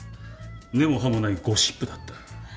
根も葉もないゴシップだった。